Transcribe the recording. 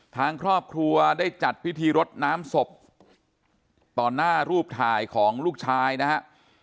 ทางครอบครัวได้จัดพิธีรดน้ำศพต่อหน้ารูปถ่ายของลูกชายนะฮะ